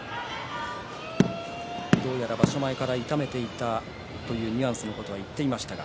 どうやら場所前から痛めていたというニュアンスのことを言っていましたが